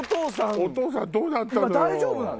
お父さんどうなったの？